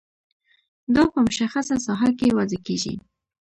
دا په مشخصه ساحه کې وضع کیږي.